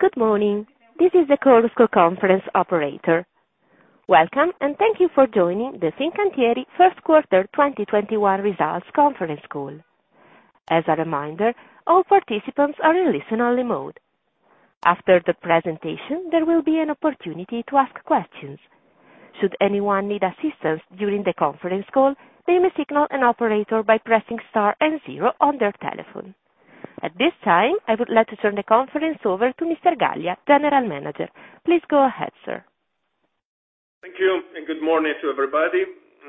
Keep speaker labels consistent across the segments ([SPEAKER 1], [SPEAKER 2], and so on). [SPEAKER 1] Good morning. This is the Chorus Call Conference operator. Welcome, and thank you for joining the Fincantieri First Quarter 2021 Results Conference Call. As a reminder, all participants are in listen-only mode. After the presentation, there will be an opportunity to ask questions. Should anyone need assistance during the conference call, they may signal an operator by pressing star and zero on their telephone. At this time, I would like to turn the conference over to Mr. Gallia, General Manager. Please go ahead, sir.
[SPEAKER 2] Thank you, and good morning to everybody.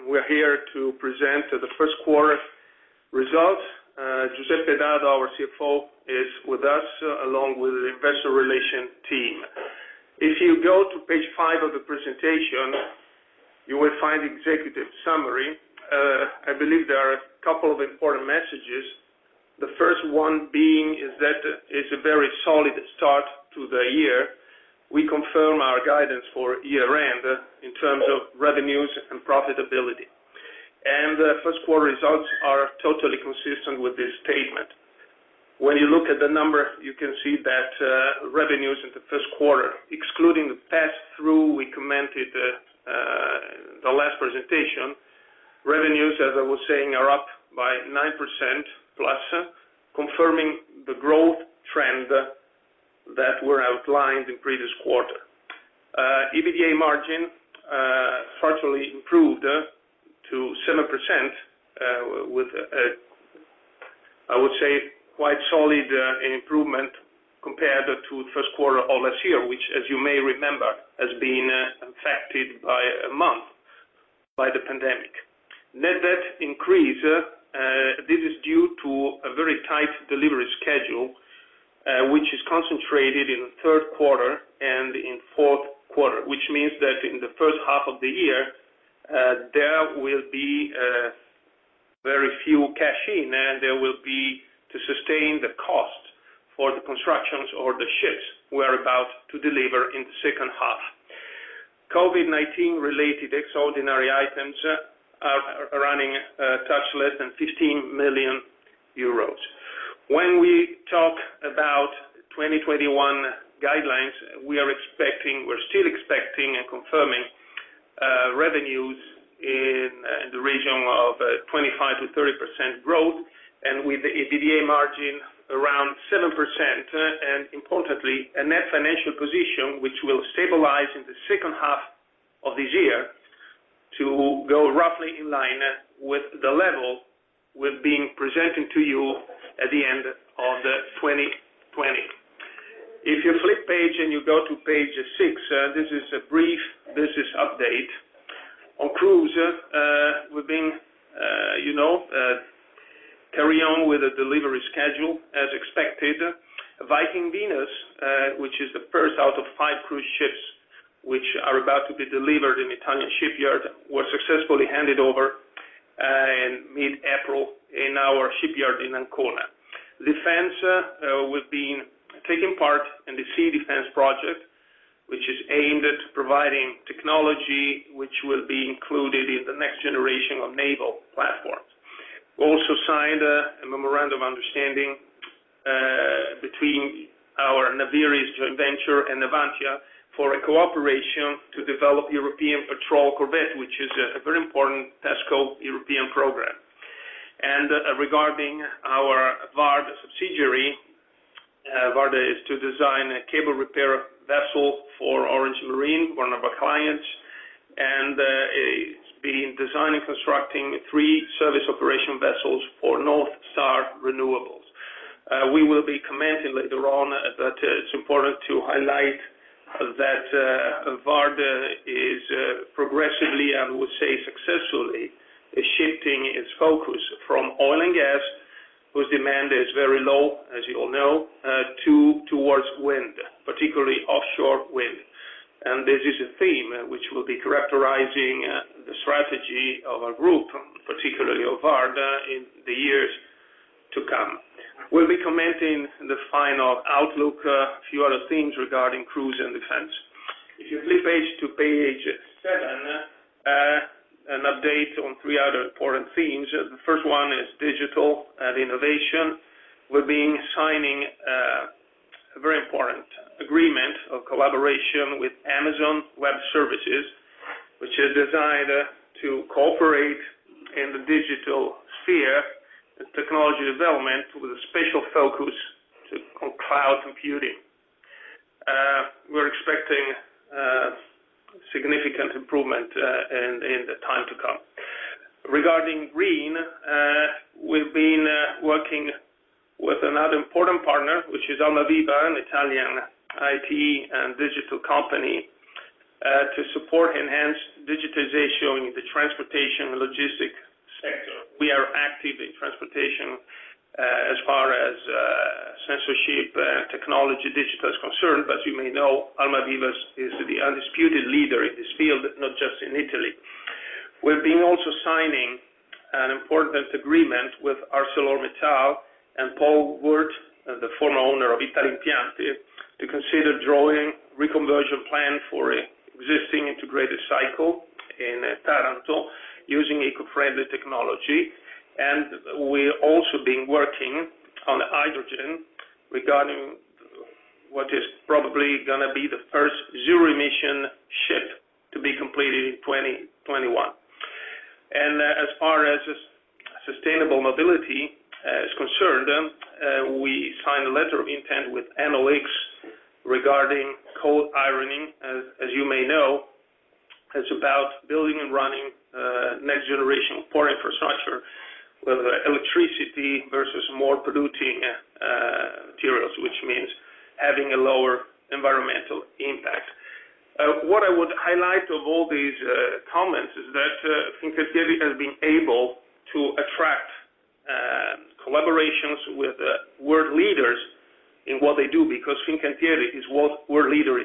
[SPEAKER 2] We are here to present the first quarter results. Giuseppe Dado, our CFO, is with us along with the investor relation team. If you go to page five of the presentation, you will find the executive summary. I believe there are a couple of important messages. The first one being is that it is a very solid start to the year. We confirm our guidance for year-end in terms of revenues and profitability. First quarter results are totally consistent with this statement. When you look at the number, you can see that revenues in the first quarter, excluding the passthrough we commented the last presentation, revenues, as I was saying, are up by 9%+, confirming the growth trend that were outlined in previous quarter. EBITDA margin fortunately improved to 7% with, I would say, quite solid improvement compared to first quarter of last year, which as you may remember, has been affected by a month by the pandemic. Net debt increase, this is due to a very tight delivery schedule, which is concentrated in third quarter and in fourth quarter, which means that in the first half of the year, there will be very few cash in, and there will be to sustain the cost for the constructions or the ships we're about to deliver in the second half. COVID-19 related extraordinary items are running touch less than 15 million euros. When we talk about 2021 guidelines, we're still expecting and confirming revenues in the region of 25%-30% growth, with the EBITDA margin around 7%, importantly, a net financial position, which will stabilize in the second half of this year to go roughly in line with the level with being presented to you at the end of 2020. If you flip page and you go to page six, this is a brief business update. On cruise, we've been carry on with the delivery schedule as expected. Viking Venus, which is the first out of five cruise ships, which are about to be delivered in Italian shipyard, was successfully handed over in mid-April in our shipyard in Ancona. Defense, we've been taking part in the Sea Defense Project, which is aimed at providing technology which will be included in the next generation of naval platforms. We also signed a memorandum understanding between our Naviris joint venture and Navantia for a cooperation to develop European Patrol Corvette, which is a very important PESCO European Program. Regarding our VARD subsidiary, VARD is to design a cable repair vessel for Orange Marine, one of our clients, and it's been designing, constructing three service operation vessels for North Star Renewables. We will be commenting later on, but it's important to highlight that VARD is progressively, I would say, successfully shifting its focus from oil and gas, whose demand is very low, as you all know, towards wind, particularly offshore wind. This is a theme which will be characterizing the strategy of our group, particularly of VARD, in the years to come. We'll be commenting the final outlook, a few other themes regarding cruise and defense. If you flip page to page seven, an update on three other important themes. The first one is digital and innovation. We've been signing a very important agreement of collaboration with Amazon Web Services, which is designed to cooperate in the digital sphere, the technology development with a special focus to cloud computing. We're expecting significant improvement in the time to come. Regarding green, we've been working with another important partner, which is Almaviva, an Italian IT and digital company, to support enhanced digitization in the transportation logistics sector. We are active in transportation, as far as sensors and technology digital is concerned. You may know Almaviva is the undisputed leader in this field, not just in Italy. We've been also signing an important agreement with ArcelorMittal and Paul Wurth, the former owner of Italimpianti, to consider joint reconversion plan for existing integrated cycle in Taranto using eco-friendly technology. We've also been working on hydrogen regarding what is probably going to be the first zero-emission ship to be completed in 2021. As far as sustainable mobility is concerned, we signed a letter of intent with Enel X regarding cold ironing. As you may know, it's about building and running next generation port infrastructure with electricity versus more polluting materials, which means having a lower environmental impact. What I would highlight of all these comments is that Fincantieri has been able to attract collaborations with world leaders in what they do, because Fincantieri is world leader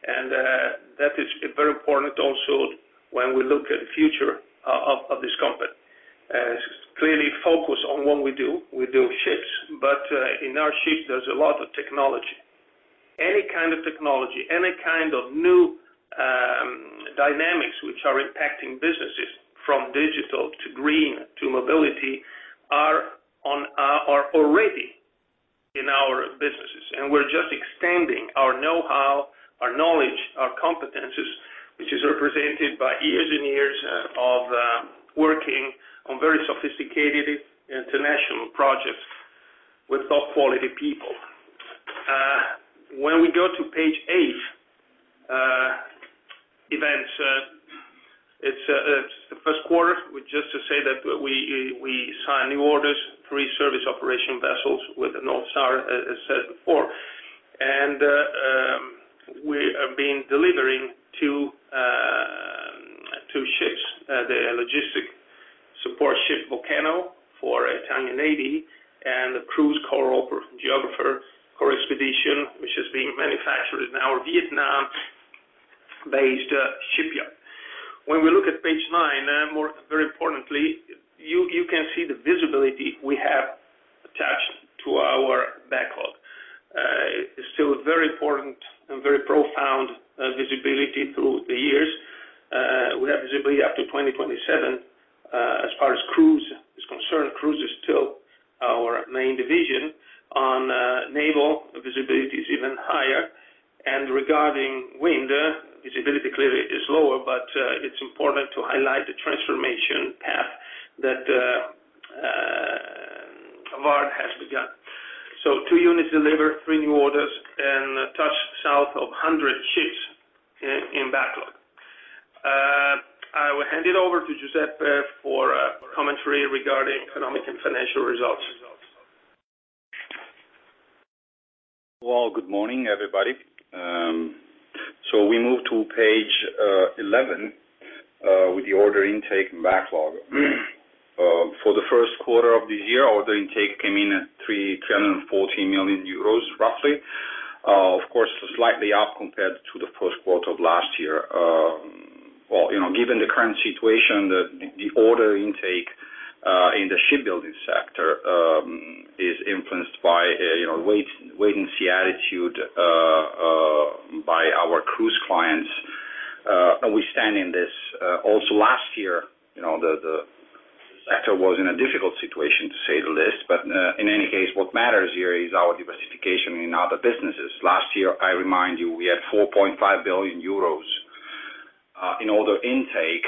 [SPEAKER 2] itself. That is very important also when we look at the future of this company. Clearly focused on what we do, we do ships, but in our ships, there's a lot of technology. Any kind of technology, any kind of new dynamics which are impacting businesses from digital to green to mobility are already in our businesses. We're just extending our know-how, our knowledge, our competencies, which is represented by years and years of working on very sophisticated international projects with top quality people. When we go to page eight, events. It's the first quarter, just to say that we signed new orders, three service operation vessels with the North Star, as said before. We have been delivering two ships, the logistic support ship Vulcano for Italian Navy and the cruise Coral Geographer for expedition, which is being manufactured in our Vietnam-based shipyard. When we look at page nine, very importantly, you can see the visibility we have attached to our backlog. It's still very important and very profound visibility through the years. We have visibility up to 2027. As far as cruise is concerned, cruise is still our main division. On naval, the visibility is even higher. Regarding wind, visibility clearly is lower, but it's important to highlight the transformation path that VARD has begun. Two units delivered, three new orders, and a touch south of 100 ships in backlog. I will hand it over to Giuseppe for a commentary regarding economic and financial results.
[SPEAKER 3] Well, good morning, everybody. We move to page 11 with the order intake and backlog. For the first quarter of the year, order intake came in at 314 million euros roughly. Of course, slightly up compared to the first quarter of last year. Well, given the current situation, the order intake in the shipbuilding sector is influenced by wait-and-see attitude by our cruise clients. We stand in this. Last year, the sector was in a difficult situation, to say the least. In any case, what matters here is our diversification in other businesses. Last year, I remind you, we had 4.5 billion euros in order intake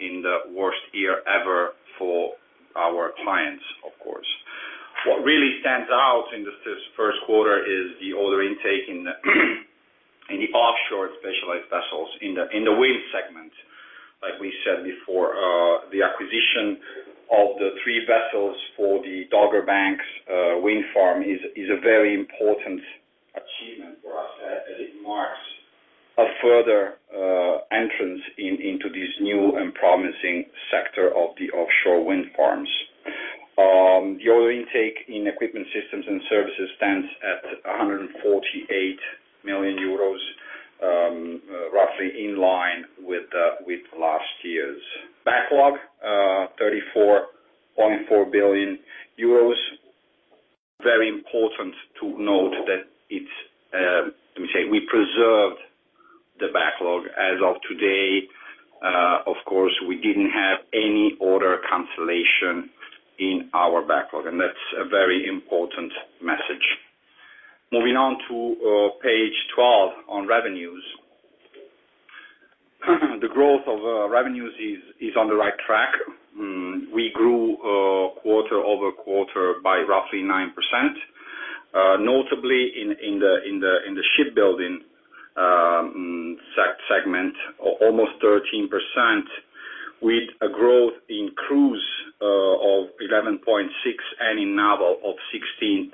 [SPEAKER 3] in the worst year ever for our clients, of course. What really stands out in this first quarter is the order intake in the offshore specialized vessels in the wind segment. Like we said before, the acquisition of the three vessels for the Dogger Bank Wind Farm is a very important achievement for us as it marks a further entrance into this new and promising sector of the offshore wind farms. The order intake in equipment systems and services stands at 148 million euros, roughly in line with last year's. Backlog, 34.4 billion euros. Very important to note that it's, like me say, we preserved the backlog as of today. Of course, we didn't have any order cancellation in our backlog, and that's a very important message. Moving on to page 12 on revenues. The growth of revenues is on the right track. We grew quarter-over-quarter by roughly 9%. Notably in the shipbuilding segment, almost 13%, with a growth in cruise of 11.6 and in naval of 16.2%.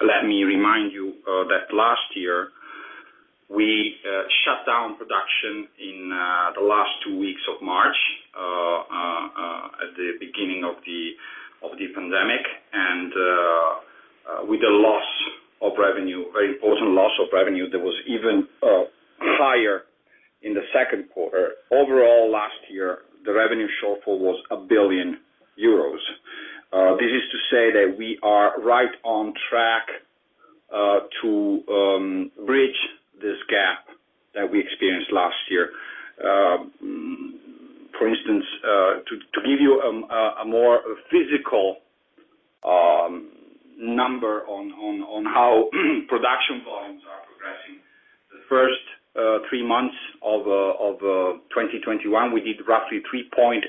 [SPEAKER 3] Let me remind you that last year, we shut down production in the last two weeks of March at the beginning of the pandemic, with a loss of revenue, a very important loss of revenue that was even higher in the second quarter. Overall last year, the revenue shortfall was 1 billion euros. This is to say that we are right on track to bridge this gap that we experienced last year. For instance, to give you a more physical number on how production volumes are progressing, the first three months of 2021, we did roughly 3.8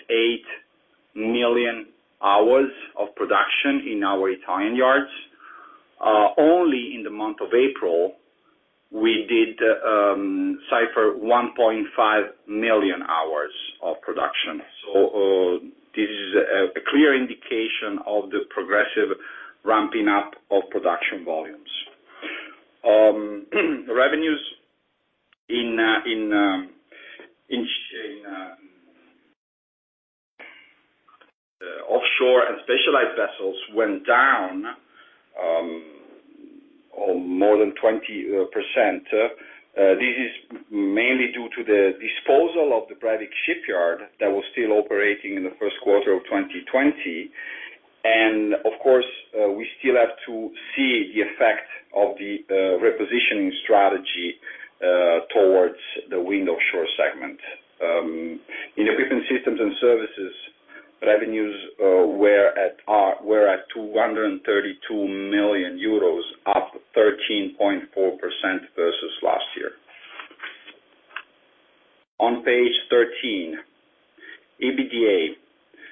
[SPEAKER 3] million hours of production in our Italian yards. Only in the month of April, we did circa 1.5 million hours of production. This is a clear indication of the progressive ramping up of production volumes. Revenues in offshore and specialized vessels went down more than 20%. This is mainly due to the disposal of the Brattvåg shipyard that was still operating in the first quarter of 2020. Of course, we still have to see the effect of the repositioning strategy towards the wind offshore segment. In equipment systems and services, revenues were at 232 million euros, up 13.4% versus last year. On page 13, EBITDA.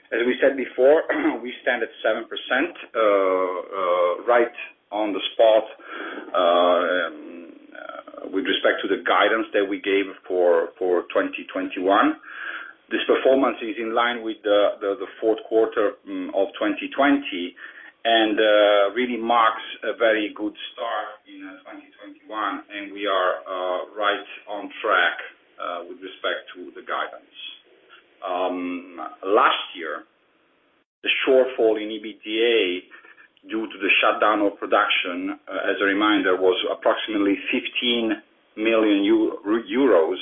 [SPEAKER 3] As we said before, we stand at 7%, right on the spot with respect to the guidance that we gave for 2021. This performance is in line with the fourth quarter of 2020, really marks a very good start in 2021, we are right on track with respect to the guidance. Last year, the shortfall in EBITDA due to the shutdown of production, as a reminder, was approximately 15 million euro.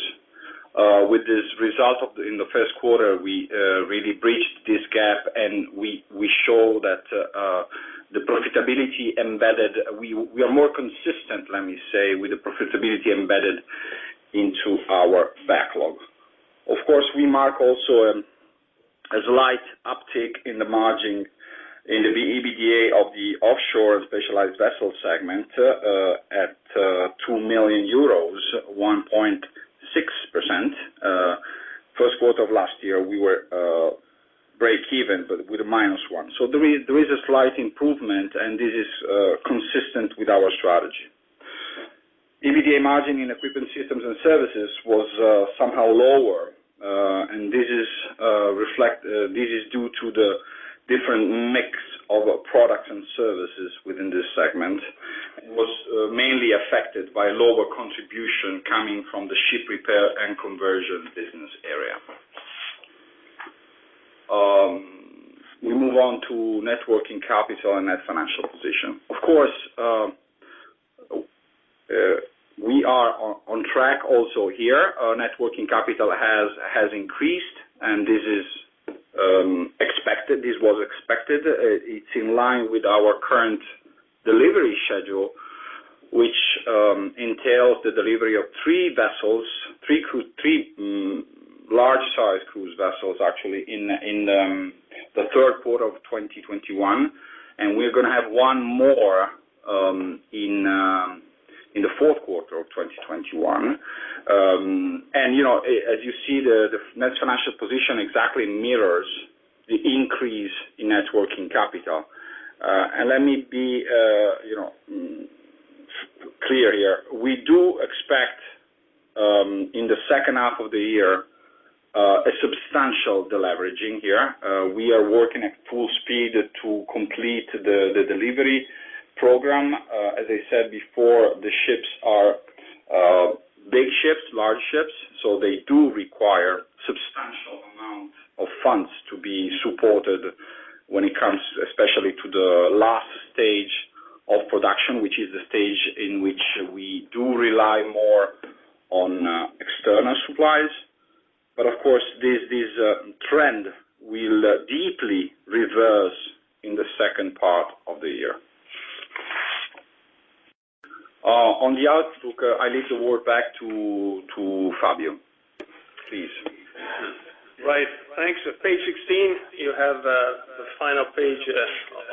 [SPEAKER 3] With this result in the first quarter, we really bridged this gap. We showed that we are more consistent, let me say, with the profitability embedded into our backlog. Of course, we mark also a slight uptick in the margin in the EBITDA of the offshore and specialized vessel segment at EUR 2 million, 1.6%. First quarter of last year, we were breakeven, with -1 million. There is a slight improvement. This is consistent with our strategy. EBITDA margin in equipment systems and services was somehow lower. This is due to the different mix of products and services within this segment, was mainly affected by lower contribution coming from the ship repair and conversion business area. We move on to net working capital and net financial position. Of course, we are on track also here. Net working capital has increased. This was expected. It's in line with our current delivery schedule, which entails the delivery of three vessels, three large size cruise vessels, actually, in the third quarter of 2021. We're going to have one more in the fourth quarter of 2021. As you see, the net financial position exactly mirrors the increase in net working capital. Let me be clear here. We do expect, in the second half of the year, a substantial deleveraging here. We are working at full speed to complete the delivery program. As I said before, the ships are big ships, large ships, so they do require substantial amounts of funds to be supported when it comes especially to the last stage of production, which is the stage in which we do rely more on external supplies. Of course, this trend will deeply reverse in the second part of the year. On the outlook, I leave the word back to Fabio, please.
[SPEAKER 2] Right. Thanks. Page 16, you have the final page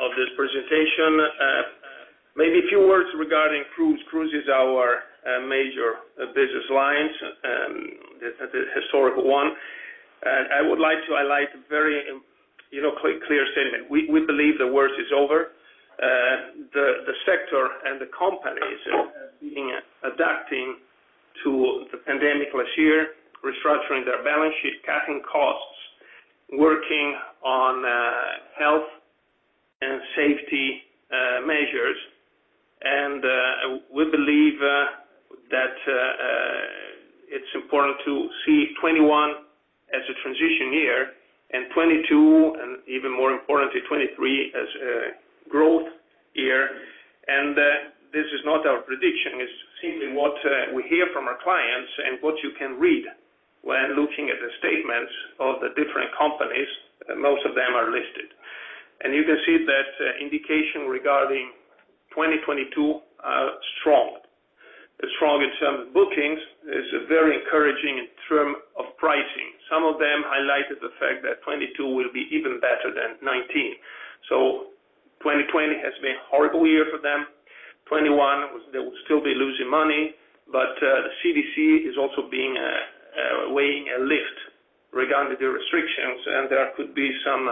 [SPEAKER 2] of this presentation. Maybe a few words regarding cruise. Cruise is our major business lines, the historical one. I would like to highlight a very clear statement. We believe the worst is over. The sector and the companies have been adapting to the pandemic last year, restructuring their balance sheet, cutting costs, working on health and safety measures. We believe that it's important to see 2021 as a transition year, 2022, and even more importantly, 2023, as a growth year. This is not our prediction, it's simply what we hear from our clients and what you can read when looking at the statements of the different companies, most of them are listed. You can see that indication regarding 2022 are strong. They're strong in terms of bookings, it's very encouraging in terms of pricing. Some of them highlighted the fact that 2022 will be even better than 2019. 2020 has been a horrible year for them. 2021, they will still be losing money, but the CDC is also weighing a lift regarding the restrictions, and there could be some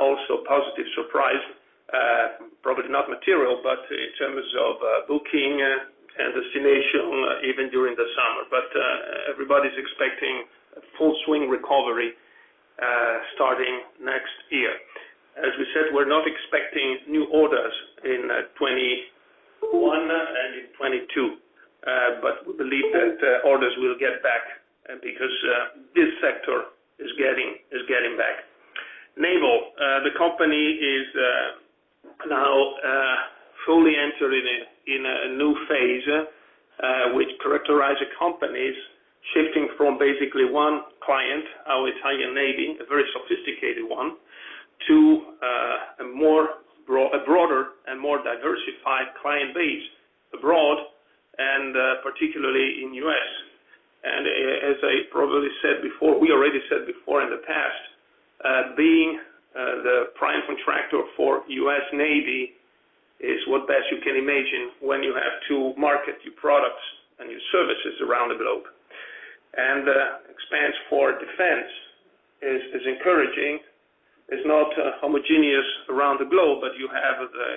[SPEAKER 2] also positive surprise, probably not material, but in terms of booking and destination even during the summer. Everybody's expecting a full swing recovery starting next year. As we said, we're not expecting new orders in 2021 and in 2022. We believe that orders will get back because this sector is getting back. Naval. The company is now fully entering in a new phase, which characterize companies shifting from basically one client, our Italian Navy, a very sophisticated one, to a broader and more diversified client base abroad and particularly in U.S. As I probably said before, we already said before in the past, being the prime contractor for U.S. Navy is what best you can imagine when you have to market your products and your services around the globe. Expense for defense is encouraging. It's not homogeneous around the globe, but you have the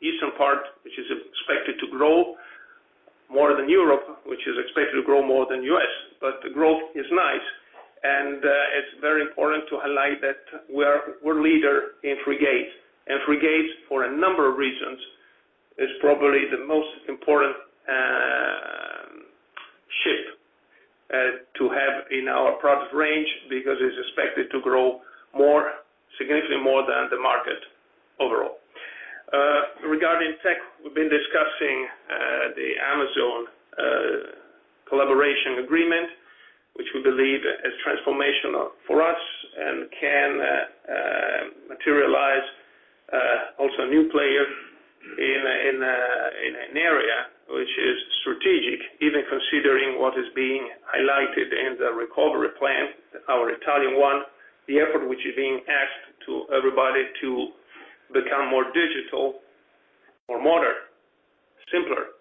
[SPEAKER 2] eastern part, which is expected to grow more than Europe, which is expected to grow more than U.S., but the growth is nice. It's very important to highlight that we're leader in frigates. Frigates, for a number of reasons, is probably the most important ship to have in our product range because it's expected to grow significantly more than the market overall. Regarding tech, we've been discussing the Amazon collaboration agreement, which we believe is transformational for us and can materialize also a new player in an area which is strategic, even considering what is being highlighted in the recovery plan, our Italian one. The effort which is being asked to everybody to become more digital, more modern, simpler.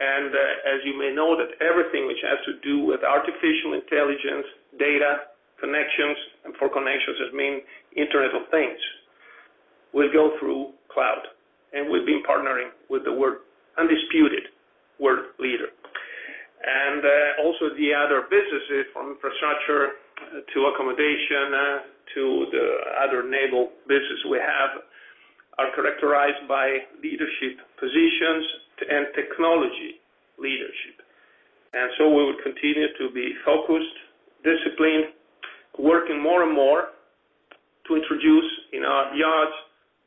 [SPEAKER 2] As you may know, that everything which has to do with artificial intelligence, data, connections, and for connections as main Internet of Things, will go through cloud. We've been partnering with the undisputed world leader. Also the other businesses from infrastructure to accommodation to the other naval business we have, are characterized by leadership positions and technology leadership. We will continue to be focused, disciplined, working more and more to introduce in our yards,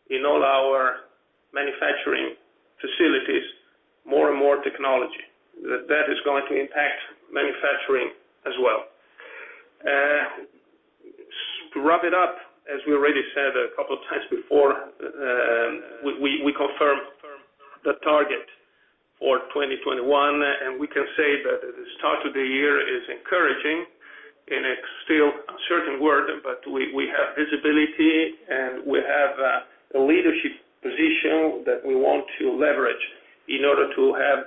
[SPEAKER 2] in all our manufacturing facilities, more and more technology. That is going to impact manufacturing as well. To wrap it up, as we already said a couple times before, we confirm the target for 2021, and we can say that the start of the year is encouraging in a still uncertain world, but we have visibility, and we have a leadership position that we want to leverage in order to have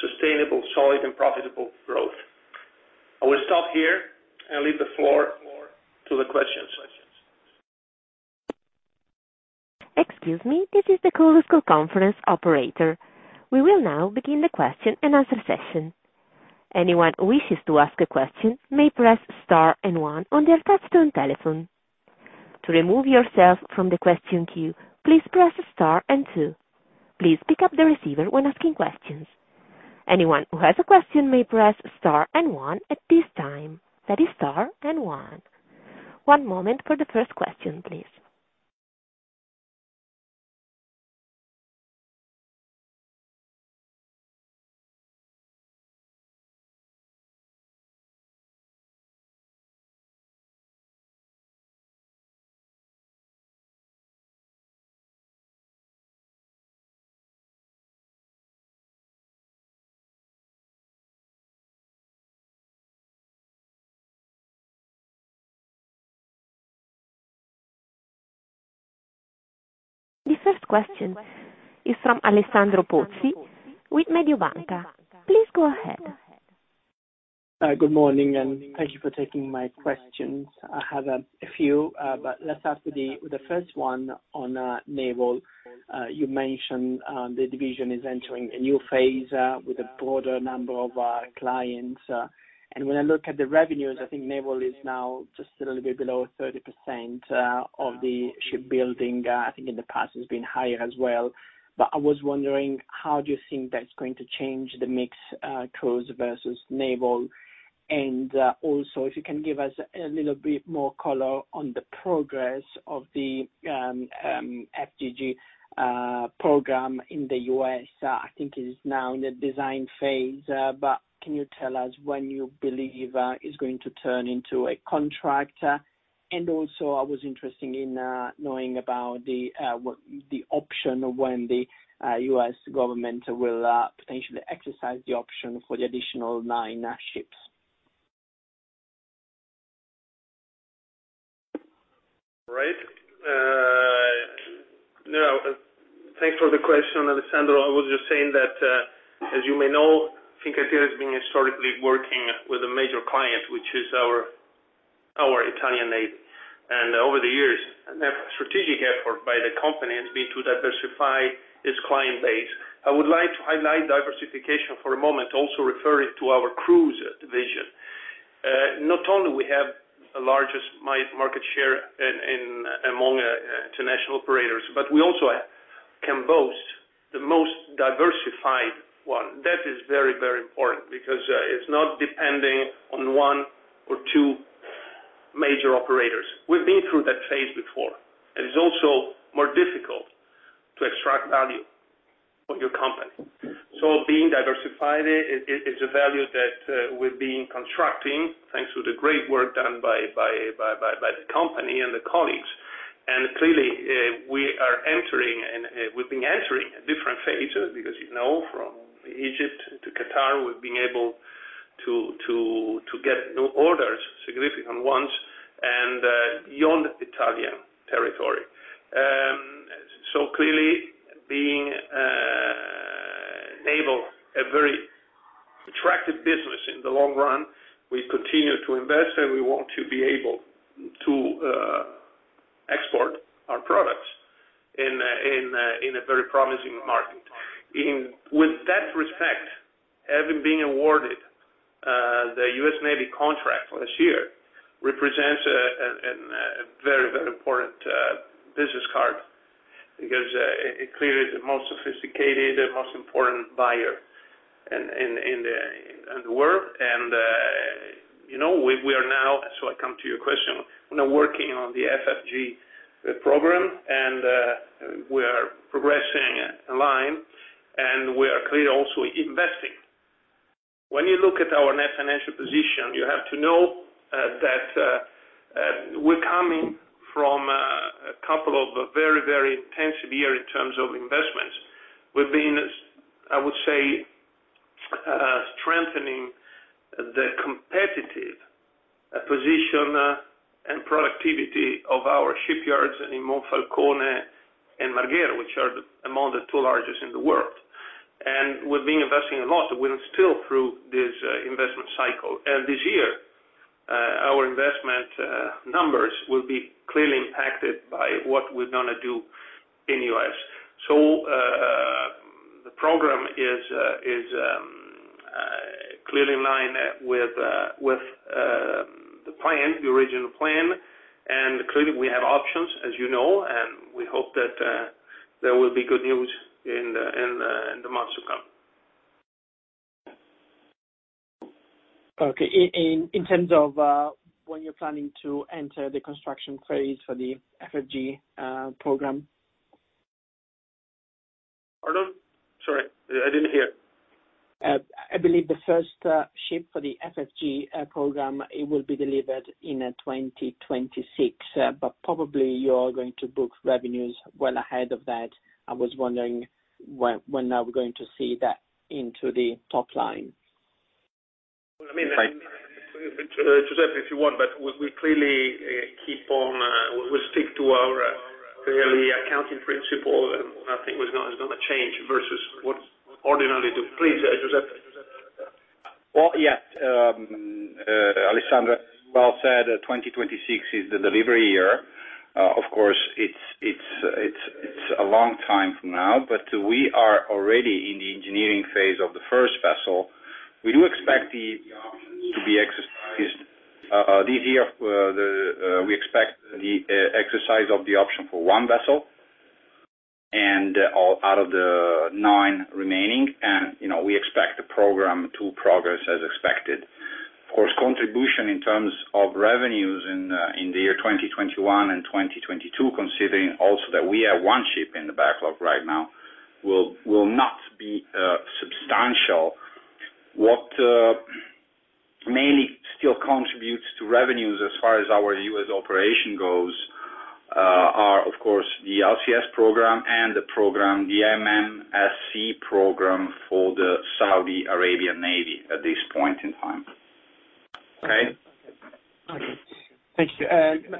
[SPEAKER 2] sustainable, solid, and profitable growth. I will stop here and leave the floor to the questions.
[SPEAKER 1] Excuse me, this is the conference operator. We will now begin the question-and-answer session. Anyone who wishes to ask a question may press star and one on their touchtone telephone. To remove yourself from the question queue, please press star and two. Please pick up the receiver when asking questions. Anyone who has a question may press star and one at this time. That is star and one. One moment for the first question, please. The first question is from Alessandro Pozzi with Mediobanca. Please go ahead.
[SPEAKER 4] Good morning. Thank you for taking my questions. I have a few. Let's start with the first one on naval. You mentioned the division is entering a new phase with a broader number of clients. When I look at the revenues, I think naval is now just a little bit below 30% of the shipbuilding. I think in the past it's been higher as well. I was wondering, how do you think that's going to change the mix, cruise versus naval? Also, if you can give us a little bit more color on the progress of the FFG program in the U.S. I think it is now in the design phase, but can you tell us when you believe it's going to turn into a contract? Also I was interested in knowing about the option of when the U.S. government will potentially exercise the option for the additional nine ships.
[SPEAKER 2] Right. Thanks for the question, Alessandro. I was just saying that, as you may know, Fincantieri has been historically working with a major client, which is our Italian Navy. Over the years, a strategic effort by the company has been to diversify its client base. I would like to highlight diversification for a moment, also referring to our cruise division. Not only we have the largest market share among international operators, but we also can boast the most diversified one. That is very important because it's not depending on one or two major operators. We've been through that phase before, and it's also more difficult to extract value from your company. Being diversified, it's a value that we've been constructing thanks to the great work done by the company and the colleagues. Clearly we are entering, and we've been entering a different phase because, from Egypt to Qatar, we've been able to get new orders, significant ones, and beyond Italian territory. Clearly being naval, a very attractive business in the long run, we continue to invest, and we want to be able to export our products in a very promising market. With that respect, having been awarded the U.S. Navy contract last year represents a very important business card because it clearly is the most sophisticated and most important buyer in the world. We are now, so I come to your question, working on the FFG program, and we are progressing in line, and we are clearly also investing. When you look at our net financial position, you have to know that we're coming from a couple of very intensive years in terms of investments. We've been, I would say, strengthening the competitive position and productivity of our shipyards in both Monfalcone and Marghera, which are among the two largest in the world. We've been investing a lot, and we are still through this investment cycle. This year, our investment numbers will be clearly impacted by what we're going to do in U.S. The program is clearly in line with the plan, the original plan, and clearly, we have options as you know, and we hope that there will be good news in the months to come.
[SPEAKER 4] Okay. In terms of when you're planning to enter the construction phase for the FFG program?
[SPEAKER 2] Pardon? Sorry, I didn't hear.
[SPEAKER 4] I believe the first ship for the FFG program, it will be delivered in 2026. Probably you are going to book revenues well ahead of that. I was wondering when are we going to see that into the top line?
[SPEAKER 2] I mean, Giuseppe, if you want, but we'll stick to our early accounting principle, and nothing is going to change versus what we ordinarily do. Please, Giuseppe.
[SPEAKER 3] Well, yeah, Alessandro well said, 2026 is the delivery year. Of course, it's a long time from now, but we are already in the engineering phase of the first vessel. We do expect the options to be exercised this year. We expect the exercise of the option for one vessel and out of the nine remaining, and we expect the program to progress as expected. Of course, contribution in terms of revenues in the year 2021 and 2022, considering also that we have one ship in the backlog right now, will not be substantial. What mainly still contributes to revenues as far as our U.S. operation goes are, of course, the LCS program and the MMSC program for the Saudi Arabia Navy at this point in time. Okay?
[SPEAKER 4] Okay. Thank you.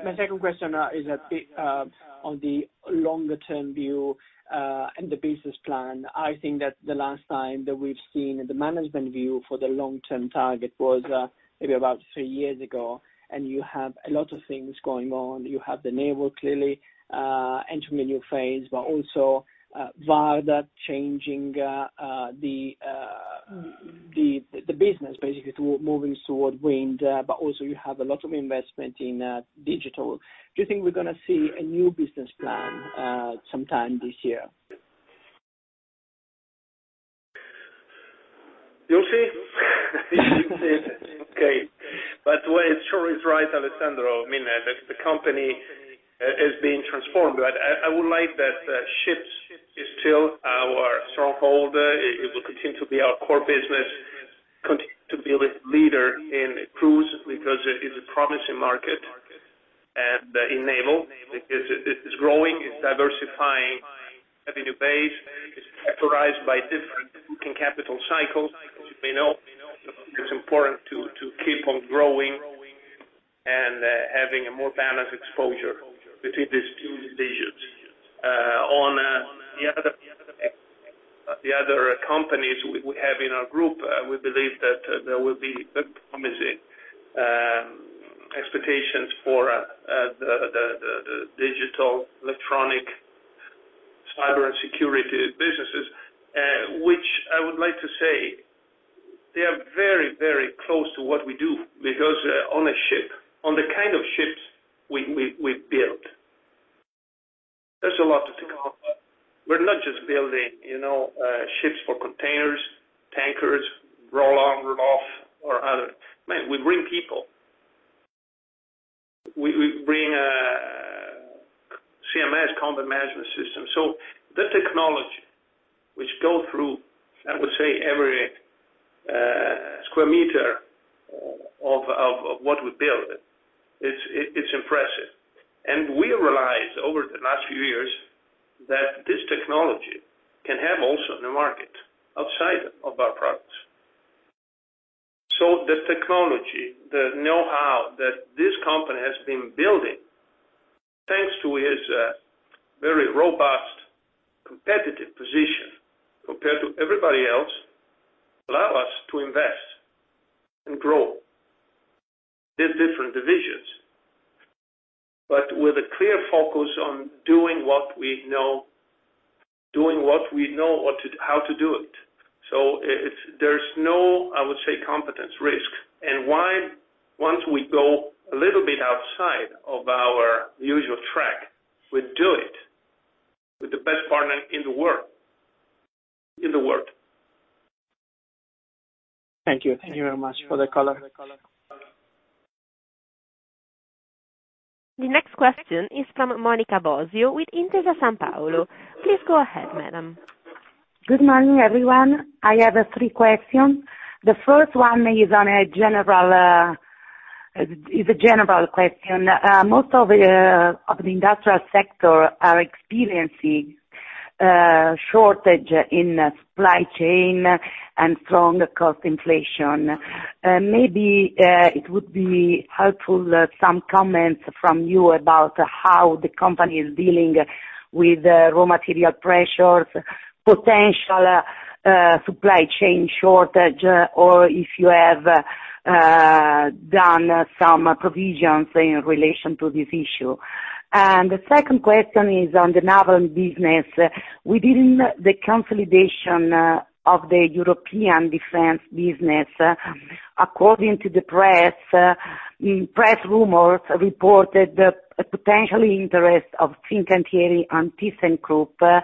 [SPEAKER 4] My second question is a bit on the longer-term view, and the business plan. I think that the last time that we've seen the management view for the long-term target was maybe about three years ago, and you have a lot of things going on. You have the naval clearly, intermediate phase, but also VARD changing the business basically through moving toward wind, but also you have a lot of investment in digital. Do you think we're going to see a new business plan sometime this year?
[SPEAKER 2] You'll see. Okay. Well, it sure is right, Alessandro. The company is being transformed, but I would like that ships is still our stronghold. It will continue to be our core business, continue to be the leader in cruise because it is a promising market. It is growing, it's diversifying revenue base. It's characterized by different booking capital cycles. As you may know, it's important to keep on growing and having a more balanced exposure between these two divisions. On the other companies we have in our group, we believe that there will be promising expectations for the digital electronic cybersecurity businesses, which I would like to say, they are very close to what we do because on the kind of ships we build, there's a lot to think about. We're not just building ships for containers, tankers, roll on, roll off or other. Man, we bring people. We bring CMS, content management system. The technology which go through, I would say, every square meter of what we build, it's impressive. We realized over the last few years that this technology can have also the market outside of our products. The technology, the know-how that this company has been building, thanks to its very robust, competitive position compared to everybody else, allow us to invest and grow these different divisions. With a clear focus on doing what we know how to do it. There's no, I would say, competence risk. Once we go a little bit outside of our usual track, we do it with the best partner in the world.
[SPEAKER 4] Thank you. Thank you very much for the color.
[SPEAKER 1] The next question is from Monica Bosio with Intesa Sanpaolo. Please go ahead, madam.
[SPEAKER 5] Good morning, everyone. I have three questions. The first one is a general question. Most of the industrial sector are experiencing shortage in supply chain and strong cost inflation. Maybe it would be helpful, some comments from you about how the company is dealing with raw material pressures, potential supply chain shortage, or if you have done some provisions in relation to this issue. The second question is on the naval business. Within the consolidation of the European defense business, according to the press rumors reported a potential interest of Fincantieri on thyssenkrupp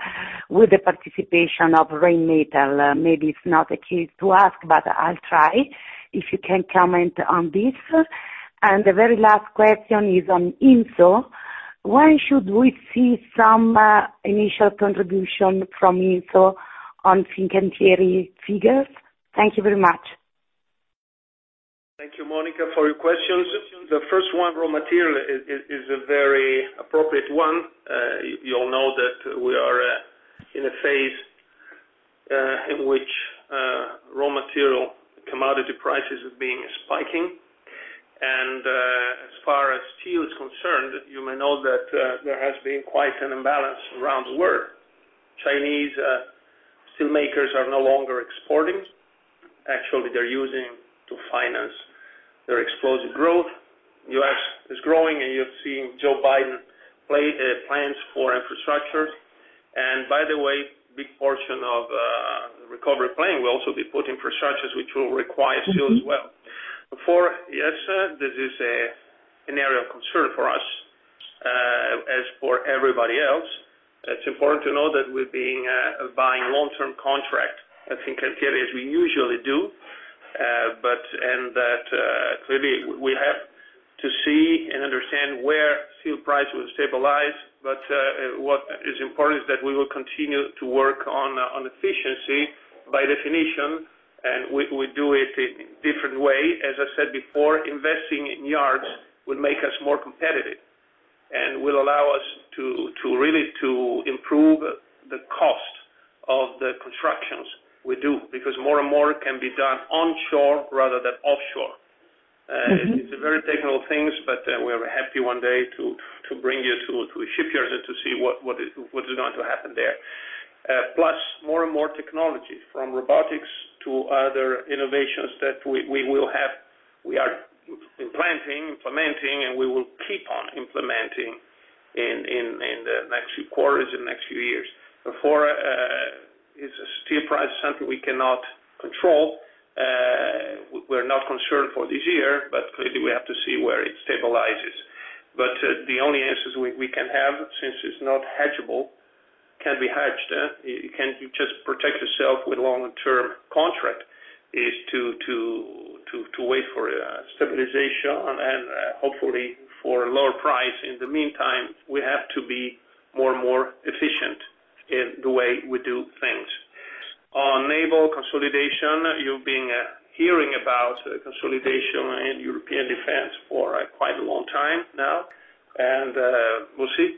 [SPEAKER 5] with the participation of Rheinmetall. Maybe it's not the case to ask, but I'll try, if you can comment on this. The very last question is on INSO. When should we see some initial contribution from INSO on Fincantieri figures? Thank you very much.
[SPEAKER 2] Thank you, Monica, for your questions. The first one, raw material, is a very appropriate one. You all know that we are in a phase in which raw material commodity prices have been spiking. As far as steel is concerned, you may know that there has been quite an imbalance around the world. Chinese steel makers are no longer exporting. Actually, they're using to finance their explosive growth. U.S. is growing, and you're seeing Joe Biden plans for infrastructure. By the way, big portion of recovery plan will also be put in infrastructures, which will require steel as well. Therefore, yes, this is an area of concern for us, as for everybody else. It's important to know that we're buying long-term contract at Fincantieri, as we usually do, and that clearly we have to see and understand where steel price will stabilize. What is important is that we will continue to work on efficiency by definition, and we do it in different way. As I said before, investing in yards will make us more competitive and will allow us to really improve the cost of the constructions we do, because more and more can be done onshore rather than offshore. It's a very technical things, but we are happy one day to bring you to a shipyard and to see what is going to happen there. Plus more and more technology, from robotics to other innovations that we are implementing, and we will keep on implementing in the next few quarters, in the next few years. Steel price is something we cannot control. We're not concerned for this year, but clearly we have to see where it stabilizes. The only answers we can have, since it's not hedgeable, can be hedged. You can just protect yourself with long-term contract, is to wait for stabilization and hopefully for a lower price. In the meantime, we have to be more and more efficient in the way we do things. On naval consolidation, you've been hearing about consolidation in European defense for quite a long time now. We'll see.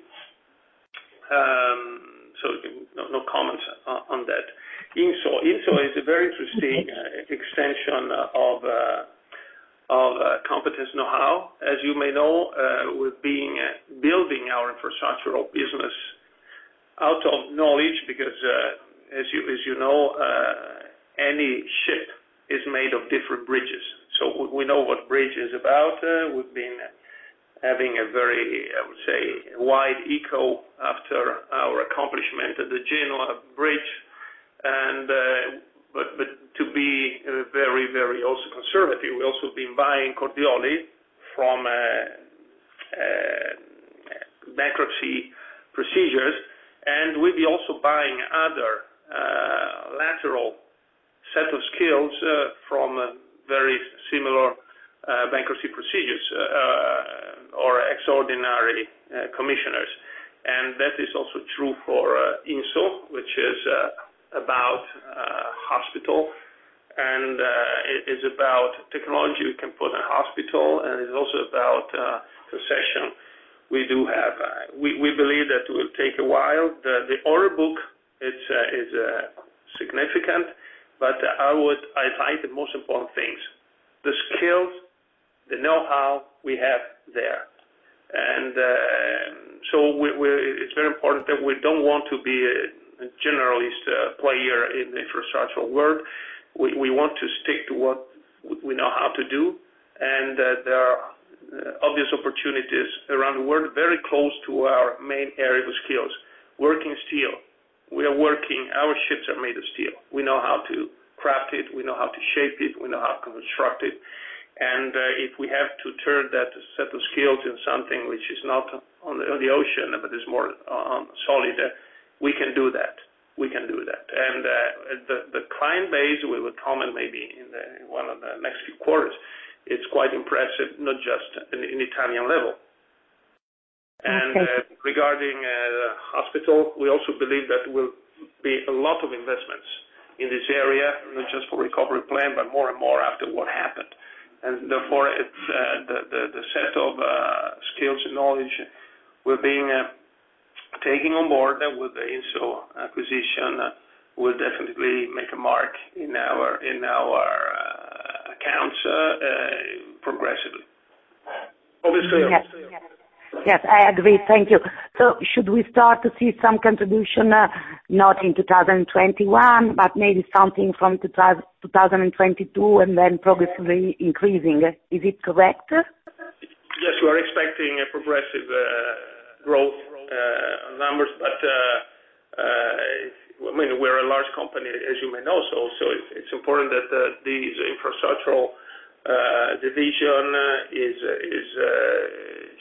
[SPEAKER 2] No comments on that. INSO. INSO is a very interesting extension of competence know-how. As you may know, we've been building our infrastructural business out of knowledge because, as you know, any ship is made of different bridges. We know what bridge is about. We've been having a very, I would say, wide echo after our accomplishment of the Genoa Bridge. To be very also conservative, we also been buying Cordioli from bankruptcy procedures, and we'll be also buying other lateral set of skills from very similar bankruptcy procedures, or extraordinary commissioners. That is also true for INSO, which is about hospital, and it is about technology we can put in hospital, and it's also about concession. We believe that it will take a while. The order book is significant, but I find the most important things, the skills, the know-how we have there. So it's very important that we don't want to be a generalist player in the infrastructural world. We want to stick to what we know how to do, and that there are obvious opportunities around the world, very close to our main area of skills. Working steel. We are working. Our ships are made of steel. We know how to craft it, we know how to shape it, we know how to construct it. If we have to turn that set of skills in something which is not on the ocean, but is more solid, we can do that. The client base we would comment maybe in one of the next few quarters, it's quite impressive, not just in Italian level.
[SPEAKER 5] Okay.
[SPEAKER 2] Regarding hospital, we also believe that there will be a lot of investments in this area, not just for recovery plan, but more and more after what happened. Therefore, the set of skills and knowledge we're being, taking on board with the INSO acquisition will definitely make a mark in our accounts progressively.
[SPEAKER 5] Yes. I agree. Thank you. Should we start to see some contribution, not in 2021, but maybe something from 2022 and then progressively increasing? Is it correct?
[SPEAKER 2] We're expecting a progressive growth, numbers. We're a large company, as you may know, so it's important that this infrastructural division is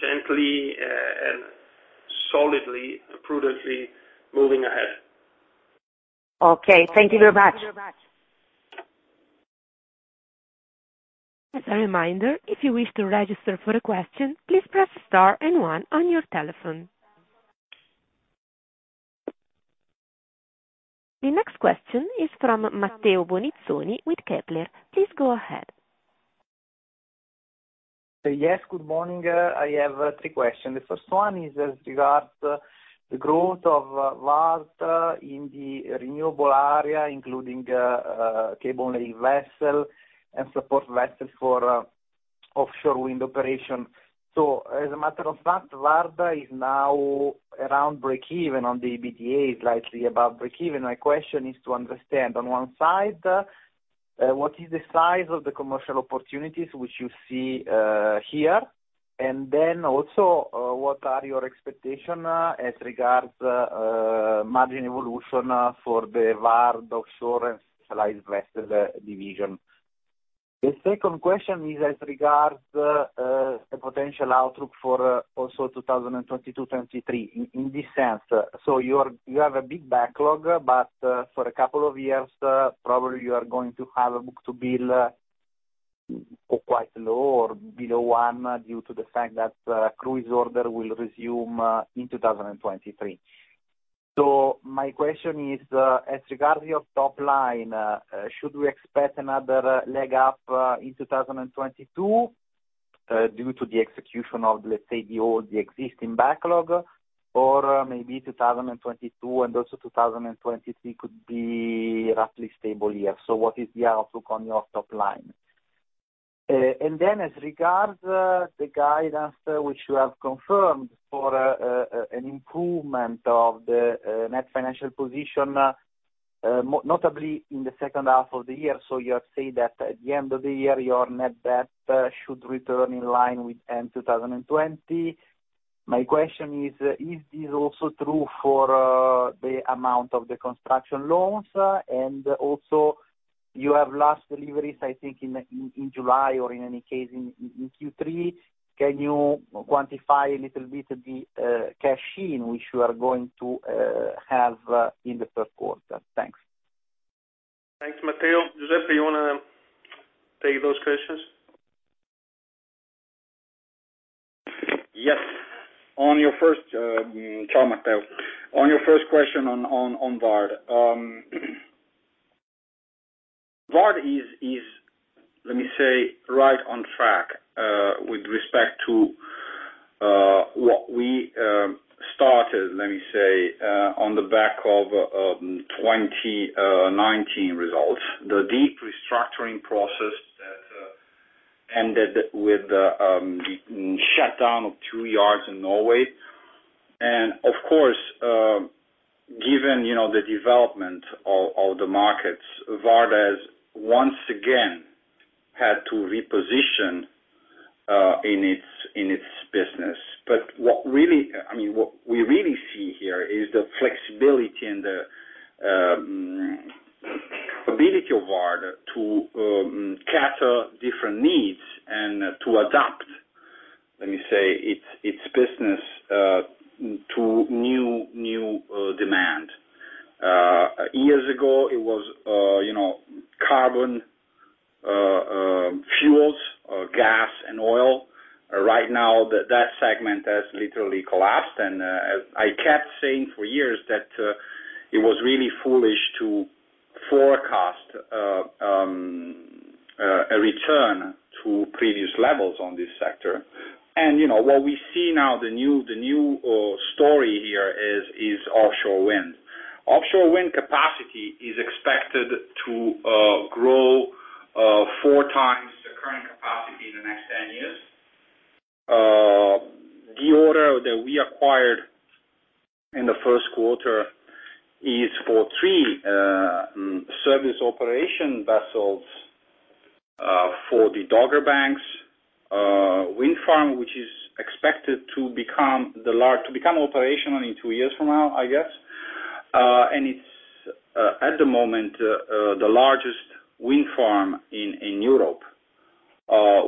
[SPEAKER 2] gently and solidly, prudently moving ahead.
[SPEAKER 5] Okay. Thank you very much.
[SPEAKER 1] As a reminder, if you wish to register for a question, please press star and one on your telephone. The next question is from Matteo Bonizzoni with Kepler. Please go ahead.
[SPEAKER 6] Yes, good morning. I have three questions. The first one is as regards the growth of VARD in the renewable area, including cable laying vessel and support vessels for offshore wind operation. As a matter of fact, VARD is now around breakeven on the EBITDA, is likely above breakeven. My question is to understand, on one side, what is the size of the commercial opportunities which you see here? Also, what are your expectation as regards margin evolution for the VARD offshore and specialized vessel division? The second question is as regards the potential outlook for also 2022, 2023. In this sense, you have a big backlog, for a couple of years, probably you are going to have a book-to-bill for quite low or below one due to the fact that cruise order will resume in 2023. My question is, as regards your top line, should we expect another leg up, in 2022 due to the execution of, let's say the old, the existing backlog? Or maybe 2022 and also 2023 could be roughly stable year. What is the outlook on your top line? As regards the guidance which you have confirmed for an improvement of the net financial position, notably in the second half of the year. You have said that at the end of the year, your net debt should return in line with end 2020. My question is this also true for the amount of the construction loans? Also you have last deliveries, I think, in July or in any case, in Q3. Can you quantify a little bit the cash in which you are going to have in the first quarter? Thanks.
[SPEAKER 2] Thanks, Matteo. Giuseppe, you want to take those questions?
[SPEAKER 3] Yes. Ciao, Matteo. On your first question on VARD. VARD is, let me say, right on track with respect to what we started, let me say, on the back of 2019 results. The deep restructuring process that ended with the shutdown of two yards in Norway. Of course, given the development of the markets, VARD has once again had to reposition in its business. What we really see here is the flexibility and the ability of VARD to cater different needs and to adapt, let me say, its business to new demand. Years ago, it was carbon fuels, gas and oil. Right now, that segment has literally collapsed, and I kept saying for years that it was really foolish to forecast a return to previous levels on this sector. What we see now, the new story here is offshore wind. Offshore wind capacity is expected to grow four times the current capacity in the next 10 years. The order that we acquired in the first quarter is for three service operation vessels for the Dogger Bank Wind Farm, which is expected to become operational in two years from now, I guess. It's, at the moment, the largest wind farm in Europe.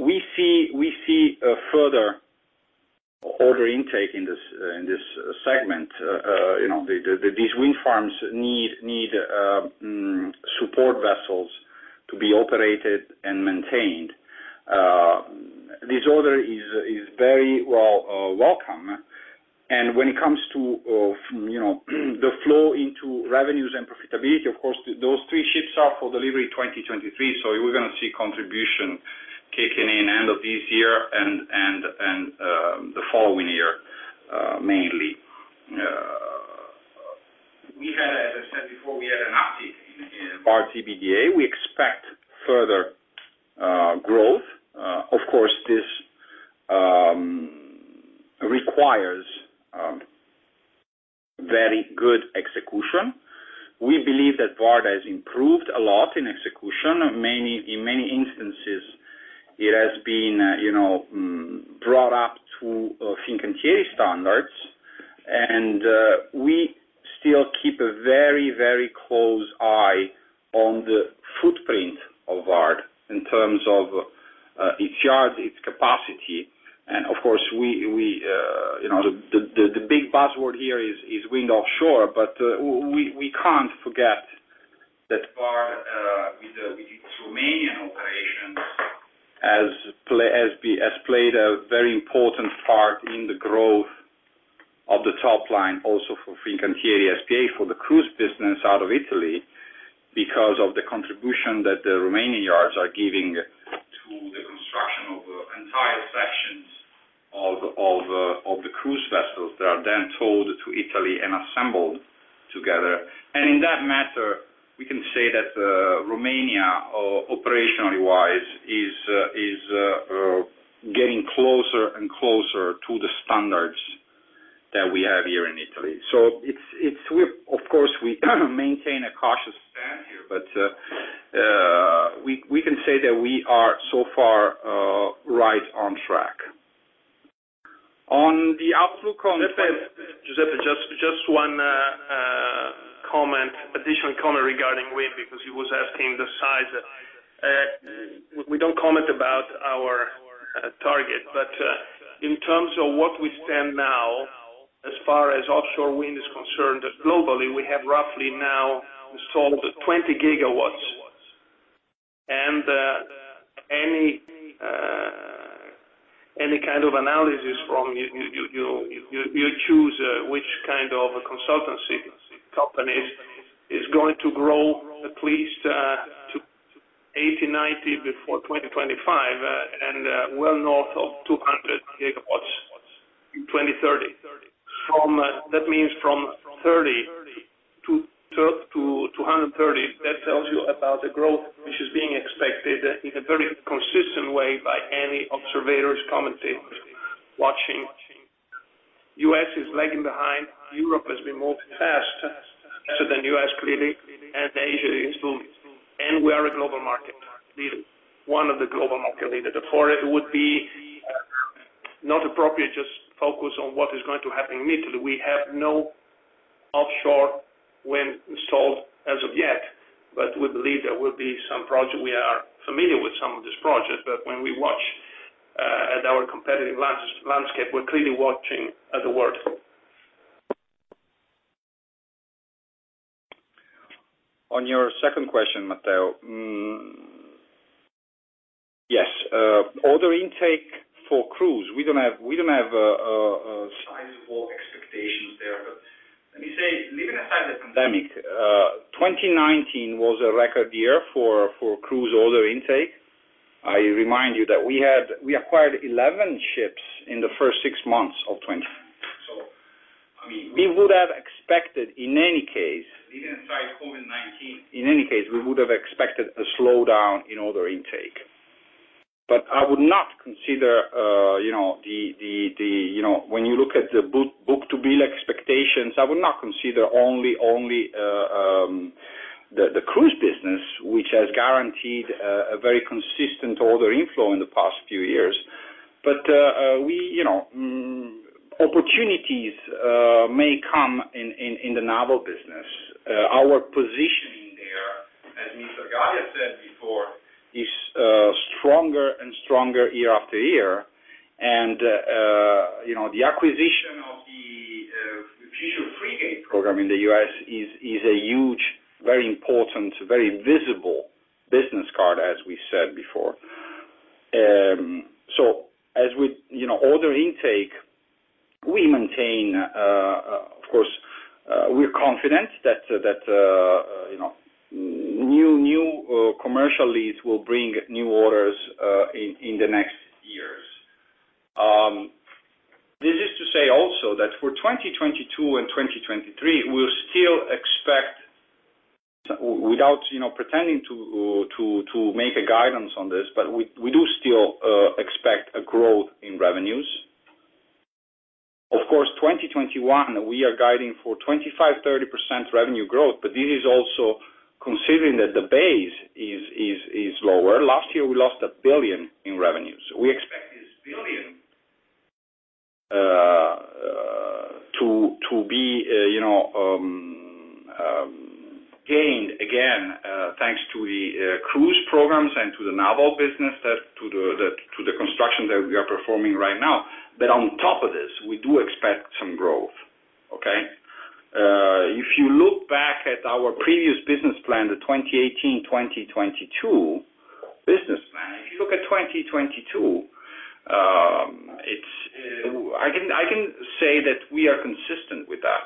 [SPEAKER 3] We see a further order intake in this segment. These wind farms need support vessels to be operated and maintained. This order is very welcome, and when it comes to the flow into revenues and profitability, of course, those three ships are for delivery 2023. We're going to see contribution kicking in end of this year and the following year, mainly. As I said before, we had an uptick in VARD EBITDA. We expect further growth. Of course, this requires very good execution. We believe that VARD has improved a lot in execution. In many instances, it has been brought up to Fincantieri standards, we still keep a very close eye on the footprint of VARD in terms of its yard, its capacity. Of course, the big buzzword here is wind offshore. We can't forget that VARD, with its Romanian operations, has played a very important part in the growth of the top line also for Fincantieri S.p.A., for the cruise business out of Italy, because of the contribution that the Romanian yards are giving to the construction of entire sections of the cruise vessels that are then towed to Italy and assembled together. In that matter, we can say that Romania, operationally wise, is getting closer and closer to the standards that we have here in Italy. Of course, we maintain a cautious stand here, but we can say that we are so far right on track.
[SPEAKER 2] Giuseppe, just one additional comment regarding wind, because he was asking the size. We don't comment about our target, but in terms of what we stand now, as far as offshore wind is concerned, globally, we have roughly now installed 20 gigawatts. Any kind of analysis from you choose which kind of consultancy companies, is going to grow at least to 80 gigawatts, 90 gigawatts before 2025, and well north of 200 gigawatts in 2030. That means from 30 gigawatts to 230 gigawatts. That tells you about the growth which is being expected in a very consistent way by any observers, commentators watching. U.S. is lagging behind. Europe has been more fast than U.S., clearly, and Asia is booming, and we are a global market. Be one of the global market leaders. It would be not appropriate just focus on what is going to happen in Italy. We have no offshore wind installed as of yet, we believe there will be some project. We are familiar with some of this project, when we watch at our competitive landscape, we're clearly watching at the world.
[SPEAKER 3] On your second question, Matteo. Yes. Order intake for cruise, we don't have sizeable expectations there. Let me say, leaving aside the pandemic, 2019 was a record year for cruise order intake. I remind you that we acquired 11 ships in the first six months of 2019. We would have expected, in any case.
[SPEAKER 2] Leaving aside COVID-19.
[SPEAKER 3] In any case, we would have expected a slowdown in order intake. I would not consider, when you look at the book-to-bill expectations, I would not consider only the cruise business, which has guaranteed a very consistent order inflow in the past few years. Opportunities may come in the naval business. Our positioning there, as Mr. Gallia said before, is stronger and stronger year after year. The acquisition of the Constellation-class frigate program in the U.S. is a huge, very important, very visible business card, as we said before. As with order intake, we maintain, of course, we're confident that new commercial leads will bring new orders in the next years. This is to say also that for 2022 and 2023, we'll still expect, without pretending to make a guidance on this, but we do still expect a growth in revenues. Of course, 2021, we are guiding for 25%-30% revenue growth, but this is also considering that the base is lower. Last year, we lost 1 billion in revenues. We expect this EUR 1 billion to be gained again thanks to the cruise programs and to the naval business, to the construction that we are performing right now. On top of this, we do expect some growth. Okay? If you look back at our previous business plan, the 2018-2022 business plan, if you look at 2022, I can say that we are consistent with that.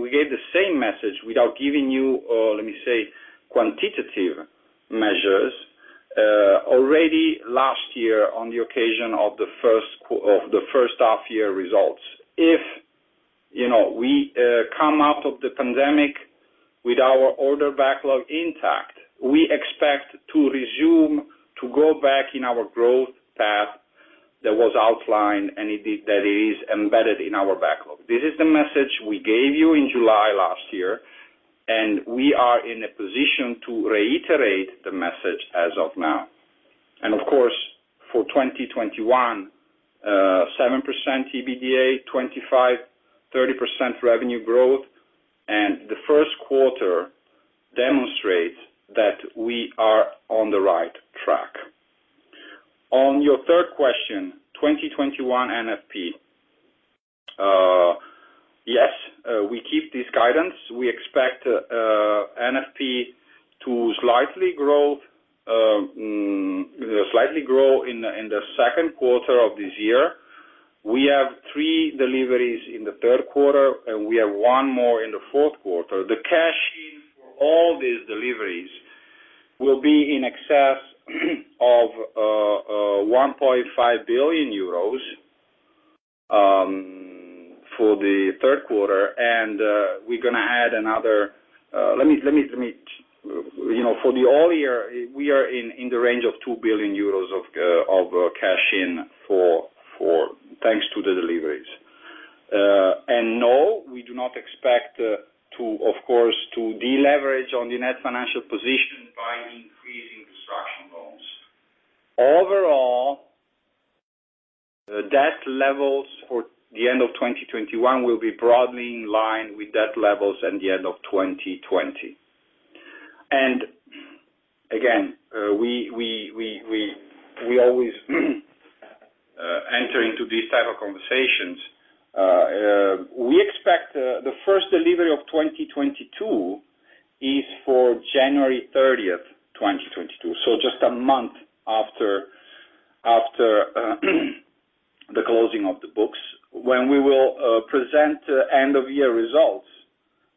[SPEAKER 3] We gave the same message without giving you, let me say, quantitative measures already last year on the occasion of the first half-year results. If we come out of the pandemic with our order backlog intact, we expect to resume to go back in our growth path that was outlined and that is embedded in our backlog. This is the message we gave you in July last year, and we are in a position to reiterate the message as of now. Of course, for 2021, 7% EBITDA, 25%-30% revenue growth, and the first quarter demonstrates that we are on the right track. On your third question, 2021 NFP. Yes, we keep this guidance. We expect NFP to slightly grow in the second quarter of this year. We have three deliveries in the third quarter, and we have one more in the fourth quarter. The cash-in for all these deliveries will be in excess of 1.5 billion euros for the third quarter. For the full year, we are in the range of 2 billion euros of cash-in thanks to the deliveries. No, we do not expect, of course, to deleverage on the net financial position by increasing construction loans. Overall, the debt levels for the end of 2021 will be broadly in line with debt levels at the end of 2020. Again, we always enter into these type of conversations. We expect the first delivery of 2022 is for January 30th, 2022, so just a month after the closing of the books. When we will present end-of-year results,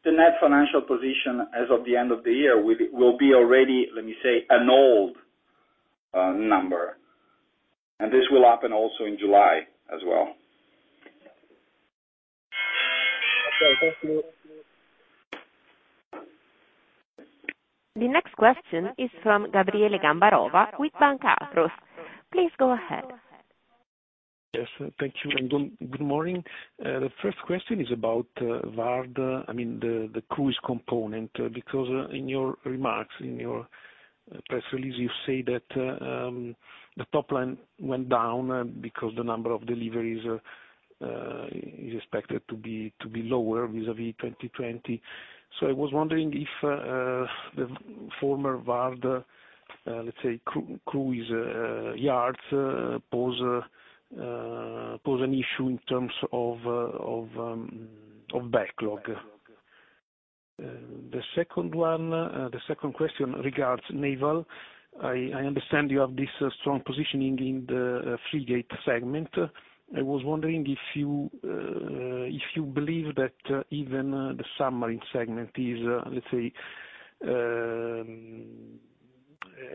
[SPEAKER 3] the net financial position as of the end of the year will be already, let me say, an old number, and this will happen also in July as well.
[SPEAKER 6] Okay. Thank you.
[SPEAKER 1] The next question is from Gabriele Gambarova with Banca Akros. Please go ahead
[SPEAKER 7] Yes. Thank you. Good morning. The first question is about VARD, the cruise component, because in your remarks, in your press release, you say that the top line went down because the number of deliveries is expected to be lower vis-a-vis 2020. I was wondering if the former VARD, let's say, cruise yards pose an issue in terms of backlog. The second question regards naval. I understand you have this strong positioning in the frigate segment. I was wondering if you believe that even the submarine segment is, let's say,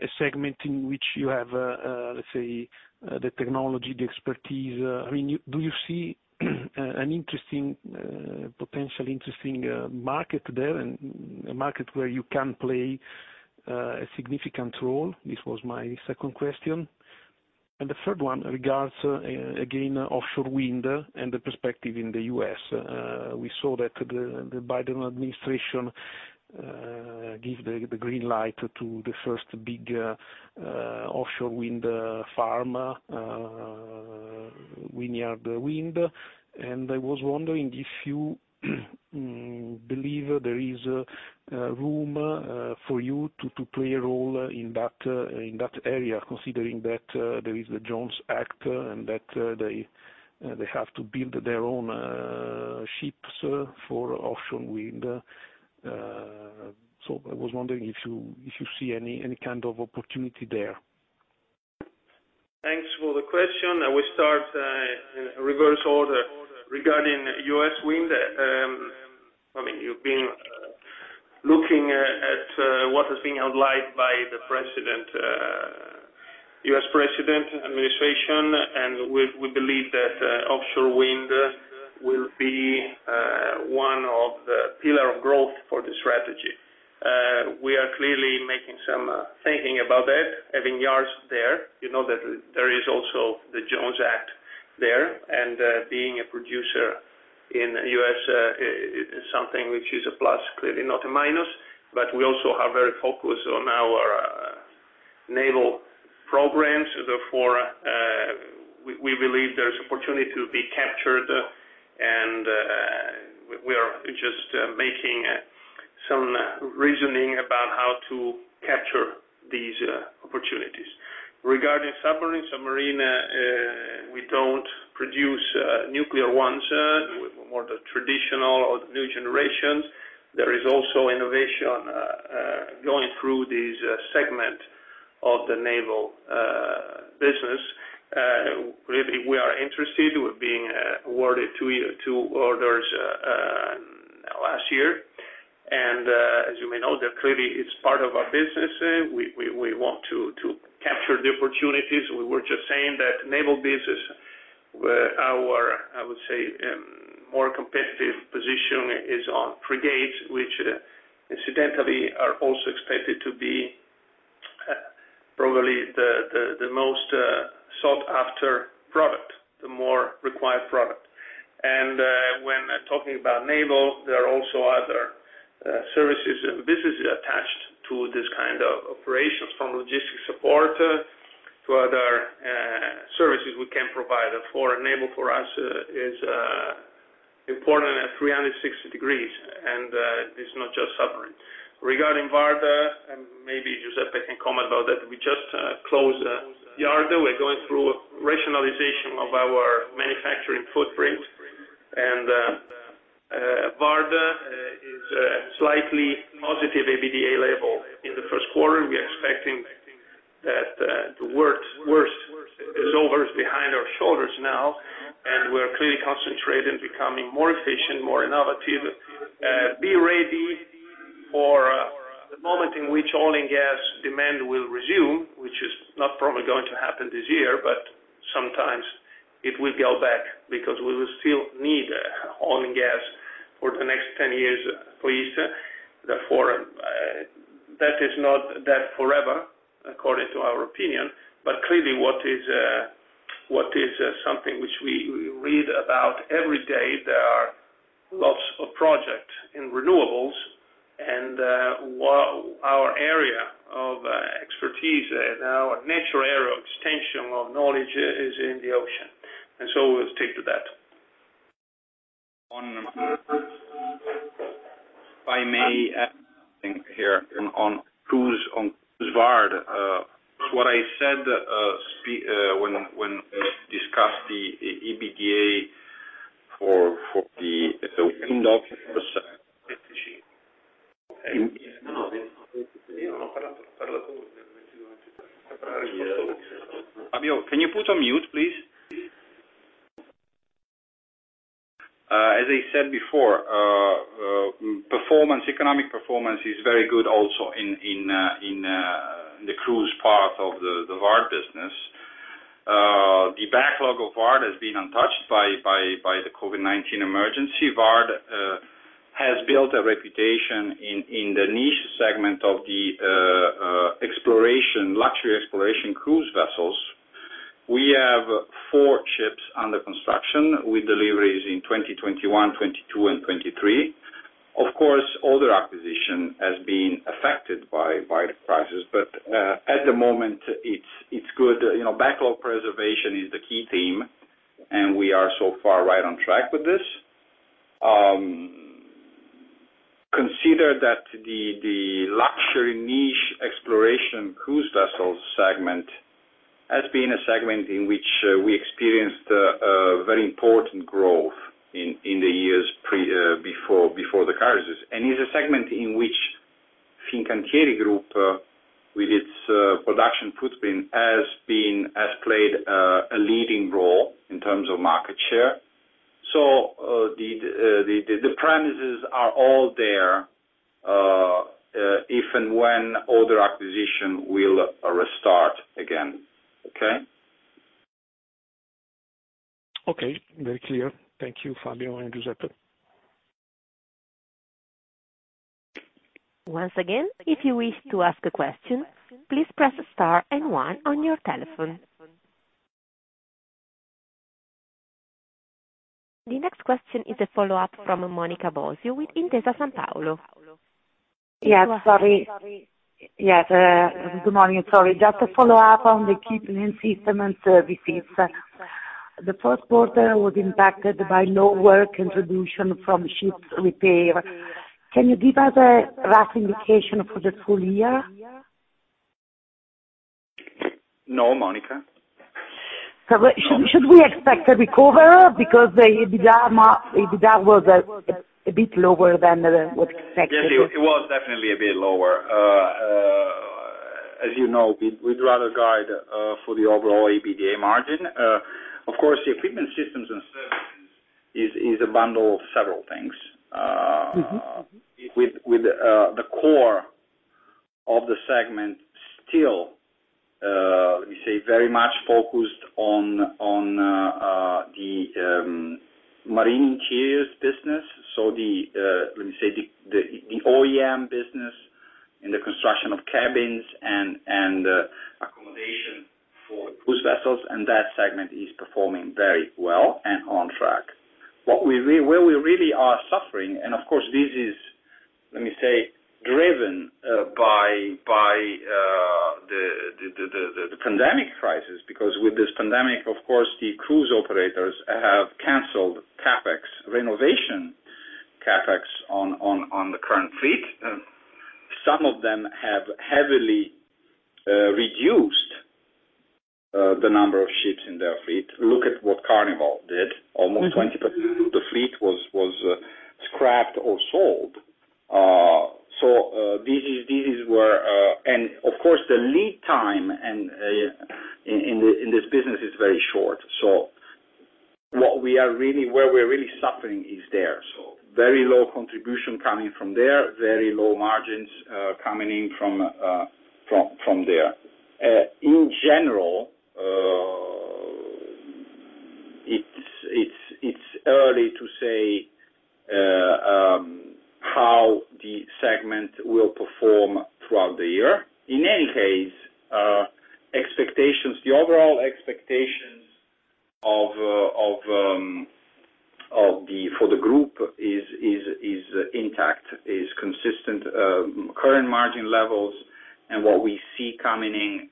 [SPEAKER 7] a segment in which you have the technology, the expertise. Do you see a potentially interesting market there, and a market where you can play a significant role? This was my second question. The third one regards, again, offshore wind and the perspective in the U.S. We saw that the Biden Administration give the green light to the first big offshore wind farm, Vineyard Wind. I was wondering if you believe there is room for you to play a role in that area, considering that there is the Jones Act and that they have to build their own ships for offshore wind. I was wondering if you see any kind of opportunity there.
[SPEAKER 2] Thanks for the question. We start in reverse order. Regarding U.S. wind, you've been looking at what has been outlined by the U.S. president and administration, and we believe that offshore wind will be one of the pillar of growth for the strategy. We are clearly making some thinking about that, having yards there. You know that there is also the Jones Act there, and being a producer in the U.S. is something which is a plus, clearly not a minus, but we also are very focused on our naval programs. Therefore, we believe there's opportunity to be captured, and we are just making some reasoning about how to capture these opportunities. Regarding submarines, we don't produce nuclear ones, more the traditional or the new generations. There is also innovation going through this segment of the naval business. Clearly, we are interested. We're being awarded two orders last year, as you may know, that clearly it's part of our business. We want to capture the opportunities. We were just saying that naval business, our, I would say, more competitive position is on frigates, which incidentally are also expected to be probably the most sought-after product, the more required product. When talking about naval, there are also other services and businesses attached to this kind of operations, from logistics support to other services we can provide for. Naval for us is important at 360 degrees, and it's not just submarines. Regarding VARD, and maybe Giuseppe can comment about that, we just closed the yard. We're going through rationalization of our manufacturing footprint. VARD is slightly positive EBITDA level in the first quarter. We are expecting that the worst is over, is behind our shoulders now, and we're clearly concentrated on becoming more efficient, more innovative, be ready for the moment in which oil and gas demand will resume, which is not probably going to happen this year, but sometimes it will go back because we will still need oil and gas for the next 10 years at least. That is not that forever, according to our opinion, but clearly what is something which we read about every day, there are lots of projects in renewables, and our area of expertise and our natural area of extension of knowledge is in the ocean. We'll stick to that.
[SPEAKER 3] If I may add something here on cruise, on VARD. What I said when we discussed the EBITDA for. Fabio, can you put on mute, please? As I said before, economic performance is very good also in the cruise part of the VARD business. The backlog of VARD has been untouched by the COVID-19 emergency. VARD has built a reputation in the niche segment of the luxury exploration cruise vessels. We have four ships under construction with deliveries in 2021, 2022, and 2023. Of course, order acquisition has been affected by the crisis, but at the moment, it's good. Backlog preservation is the key theme, and we are so far right on track with this. Consider that the luxury niche exploration cruise vessels segment has been a segment in which we experienced a very important growth in the years before the crisis, and is a segment in which Fincantieri group, with its production footprint, has played a leading role in terms of market share. The premises are all there if and when order acquisition will restart again. Okay?
[SPEAKER 7] Okay. Very clear. Thank you, Fabio and Giuseppe.
[SPEAKER 1] Once again, if you wish to ask a question, please press star and one on your telephone. The next question is a follow-up from Monica Bosio with Intesa Sanpaolo.
[SPEAKER 5] Yes. Good morning. Sorry, just a follow-up on the equipment system and services. The first quarter was impacted by low work contribution from ships repair. Can you give us a rough indication for the full year?
[SPEAKER 3] No, Monica.
[SPEAKER 5] Should we expect a recovery? Because the EBITDA was a bit lower than what expected.
[SPEAKER 3] Yes, it was definitely a bit lower. As you know, we'd rather guide for the overall EBITDA margin. Of course, the equipment systems and services is a bundle of several things. With the core of the segment still, let me say, very much focused on the Marine Interiors business. Let me say, the OEM business and the construction of cabins and accommodation for cruise vessels, and that segment is performing very well and on track. Where we really are suffering, and of course, this is, let me say, driven by the pandemic crisis, because with this pandemic, of course, the cruise operators have canceled CapEx, renovation CapEx on the current fleet. Some of them have heavily reduced the number of ships in their fleet. Look at what Carnival did. Almost 20% of the fleet was scrapped or sold. Of course, the lead time in this business is very short. Where we're really suffering is there. Very low contribution coming from there, very low margins coming in from there. In general, it is early to say how the segment will perform throughout the year. In any case, the overall expectations for the group is intact, is consistent. Current margin levels and what we see coming in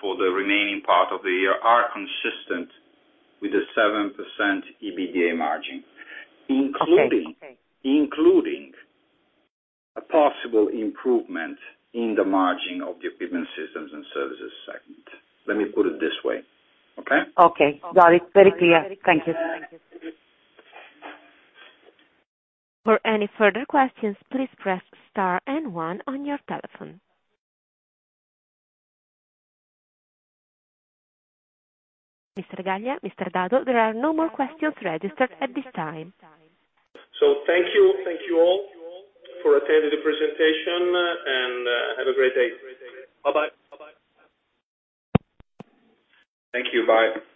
[SPEAKER 3] for the remaining part of the year are consistent with a 7% EBITDA margin.
[SPEAKER 5] Okay.
[SPEAKER 3] Including a possible improvement in the margin of the equipment systems and services segment. Let me put it this way. Okay?
[SPEAKER 5] Okay. Got it. Very clear. Thank you.
[SPEAKER 1] Mr. Gallia, Mr. Dado, there are no more questions registered at this time.
[SPEAKER 3] Thank you. Thank you all for attending the presentation, and have a great day. Bye.
[SPEAKER 2] Thank you. Bye.